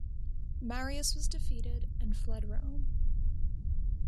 Marius was defeated and fled Rome.